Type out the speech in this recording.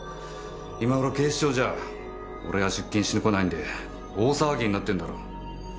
今頃警視庁じゃ俺が出勤してこないんで大騒ぎになってんだろう。